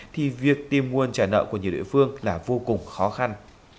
thì việc tìm nguồn trả nợ của nhiều địa phương là vô cùng khó khăn